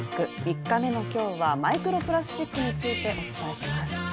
３日目の今日は、マイクロプラスチックについてお伝えします。